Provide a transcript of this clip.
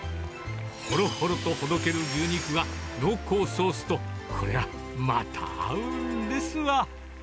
ほろほろとほどける牛肉が、濃厚ソースと、こりゃ、また合うんですわ。